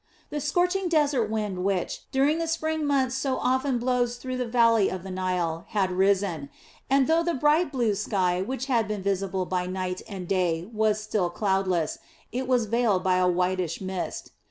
The scorching desert wind which, during the Spring months, so often blows through the valley of the Nile, had risen, and though the bright blue sky which had been visible by night and day was still cloudless, it was veiled by a whitish mist.